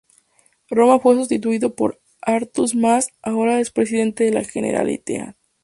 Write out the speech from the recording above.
Roma fue sustituido por Artur Mas, ahora expresidente de la Generalitat.